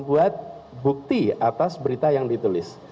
buat bukti atas berita yang ditulis